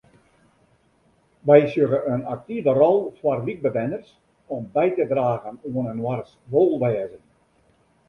Wy sjogge in aktive rol foar wykbewenners om by te dragen oan inoars wolwêzen.